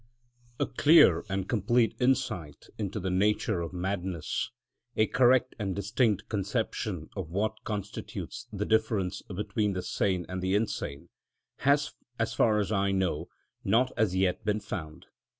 (50) A clear and complete insight into the nature of madness, a correct and distinct conception of what constitutes the difference between the sane and the insane, has, as far as I know, not as yet been found.